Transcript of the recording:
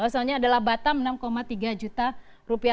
jadi misalnya adalah batam rp enam tiga juta